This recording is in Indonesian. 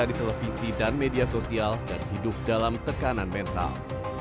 di televisi dan media sosial dan hidup dalam tekanan mental